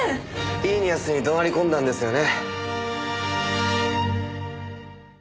イーニアスに怒鳴り込んだんですよね？